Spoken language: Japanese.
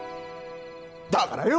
だからよ！